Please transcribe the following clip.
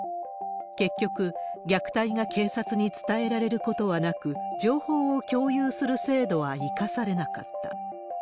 結局、虐待が警察に伝えられることはなく、情報を共有する制度は生かされなかった。